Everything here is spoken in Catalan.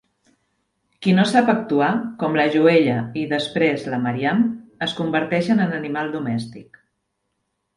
Qui no sap actuar, com la Joella i, després, la Mariam, es converteixen en animal domèstic.